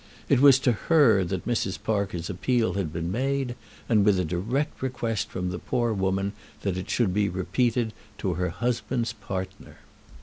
It was to her that Mrs. Parker's appeal had been made, and with a direct request from the poor woman that it should be repeated to her husband's partner.